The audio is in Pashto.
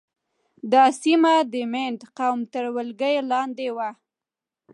دا سیمه د مینډ قوم تر ولکې لاندې وه.